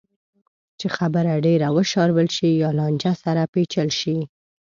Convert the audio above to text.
چې خبره ډېره وشاربل شي یا لانجه سره پېچل شي.